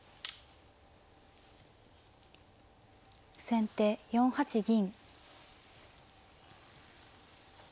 先手４八銀。